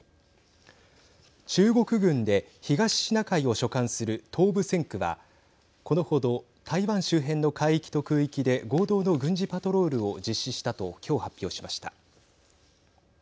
中国軍で東シナ海を所管する東部戦区はこのほど台湾周辺の海域と空域で合同の軍事パトロールを実施したときょう発表しました。